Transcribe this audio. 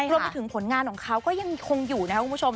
รวมไปถึงผลงานของเขาก็ยังคงอยู่นะครับคุณผู้ชม